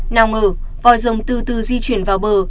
nào ngờ vòi dòng từ từ di chuyển vào bờ